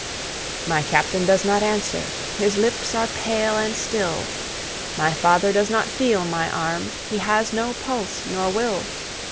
My Captain does not answer, his lips are pale and still, My father does not feel my arm, he has no pulse nor will.